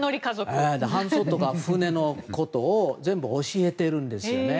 帆走とか、船のことを全部教えてるんですよね。